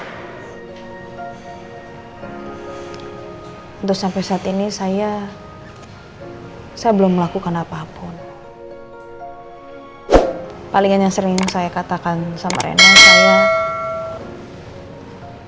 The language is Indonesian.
tentu sampai saat ini saya belum melakukan apapun paling yang sering saya katakan sama rena saya